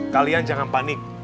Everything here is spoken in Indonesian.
kalian jangan panik